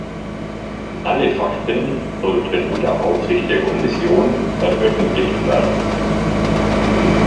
Alle Fakten sollten unter Aufsicht der Kommission veröffentlicht werden.